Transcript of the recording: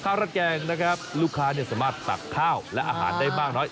ระแกงนะครับลูกค้าสามารถตักข้าวและอาหารได้มากน้อย